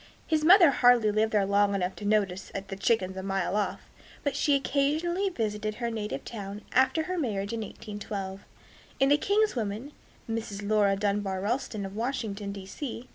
His mother hardly lived there long enough to notice the chickens a mile off, but she occasionally visited her native town after her marriage in 1812, and a kinswoman (Mrs. Laura Dunbar Ralston, of Washington, D. C.)